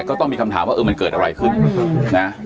ก็ต้องมีคำถามว่าเออมันเกิดอะไรขึ้นนะ